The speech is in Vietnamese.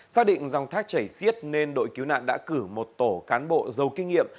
xác định dòng thác chảy xiết nên đội cứu nạn đã cử một tổ cán bộ giàu kinh nghiệm